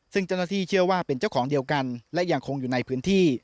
ซึ่งเจ้าหน้าที่เชื่อว่าเป็นเจ้าของเดียวกันและยังคงอยู่ในพื้นที่